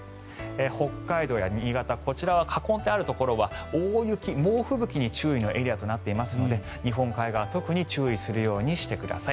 北海道や新潟囲んであるところは大雪、猛吹雪に注意のエリアとなっていますので日本海側、特に注意するようにしてください。